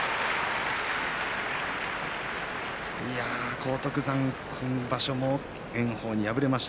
荒篤山、今場所も炎鵬に敗れました。